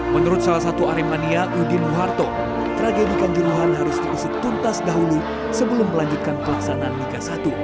menurut salah satu aremania udin muharto tragedi kanjuruhan harus diusut tuntas dahulu sebelum melanjutkan pelaksanaan liga satu